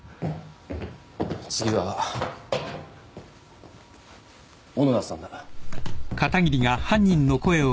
次は小野田さんだ。